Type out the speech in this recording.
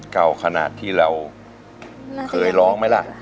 เก่าขนาดที่เราเคยร้องไหมล่ะ